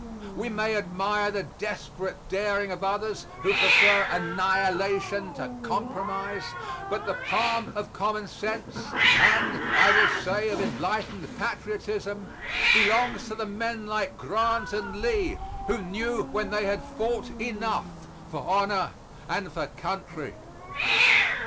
We may admire the desperate daring of others who prefer annihilation to compromise, but the palm of common sense, and, I will say, of enlightened patriotism, belongs to the men like Grant and Lee, who knew when they had fought enough for honor and for country.